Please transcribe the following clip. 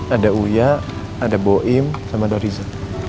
ada uya ada boim sama ada riza